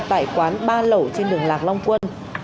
tại quán ba lẩu trên đường lạc long quân